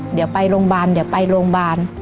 เดี๋ยวไปโรงพยาบาลเดี๋ยวไปโรงพยาบาล